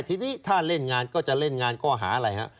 ทีนี้ถ้าเล่นงานก็จะเล่นงานข้อหาอะไรฮะ